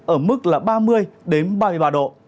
ở mức là ba mươi ba mươi ba độ